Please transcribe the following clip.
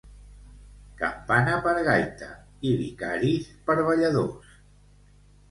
Campana per gaita i vicaris per balladors.